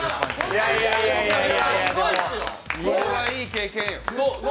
これはいい経験よ。